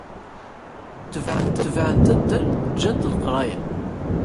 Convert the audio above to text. Tebɛent addal, ǧǧant leqraya.